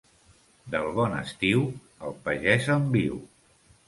Del bon estiu, el pagès en viu.